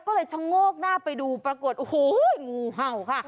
ก็เลยชะโงกหน้าไปดูปรากฏโอ้โหงูเห่าค่ะ